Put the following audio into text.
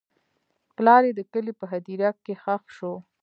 پلار یې د کلي په هدیره کې ښخ شو.